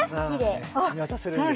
きれい。